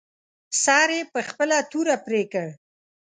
سر یې په خپله توره پرې کړ.